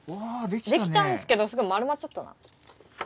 出来たんすけどすごい丸まっちゃったな。